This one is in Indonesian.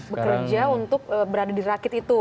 bekerja untuk berada di rakit itu